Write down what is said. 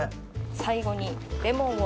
最後にレモンを。